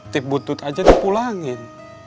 tip butut aja dipulangin